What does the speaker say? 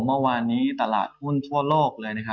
เมื่อวานนี้ตลาดหุ้นทั่วโลกเลยนะครับ